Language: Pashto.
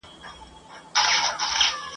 خپلو بچوړو ته په زرو سترګو زرو ژبو ..